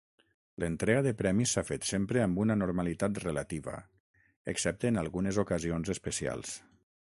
L'entrega de premis s'ha fet sempre amb una normalitat relativa, excepte en algunes ocasions especials.